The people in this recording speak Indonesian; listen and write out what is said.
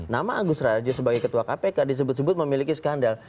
nama agus rarjo sebagai ketua kpk disebut sebut memiliki skandal